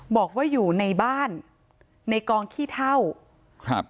บอกว่าอยู่ในบ้านในกองขี้เท่าครับ